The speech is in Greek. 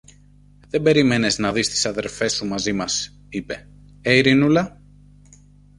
Δεν περίμενες να δεις τις αδελφές σου μαζί μας, είπε, ε, Ειρηνούλα;